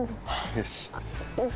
よし。